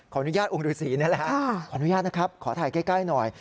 อนุญาตองค์ฤษีนี่แหละฮะขออนุญาตนะครับขอถ่ายใกล้หน่อย